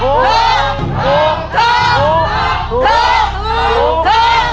ถูก